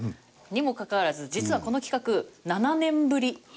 にもかかわらず実はこの企画７年ぶりなんですって。